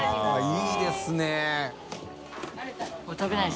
いいですね。